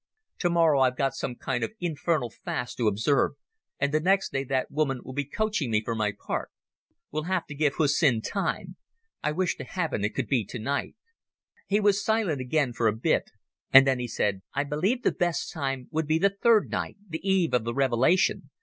Tomorrow I've got some kind of infernal fast to observe, and the next day that woman will be coaching me for my part. We'll have to give Hussin time ... I wish to heaven it could be tonight." He was silent again for a bit, and then he said: "I believe the best time would be the third night, the eve of the Revelation.